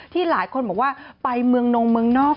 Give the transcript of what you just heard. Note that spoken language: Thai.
หลายคนบอกว่าไปเมืองนงเมืองนอก